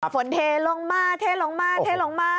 เทลงมาเทลงมาเทลงมา